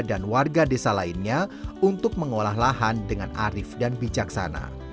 dan warga desa lainnya untuk mengolah lahan dengan arif dan bijaksana